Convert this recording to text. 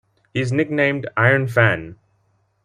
He is nicknamed "Iron Fan".